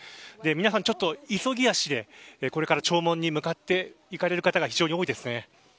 皆さん、ちょっと急ぎ足でこれから弔問に向かっていかれる方が非常に多いです。